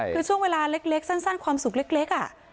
คือช่วงเวลาเล็กสั้นความสุขเล็ก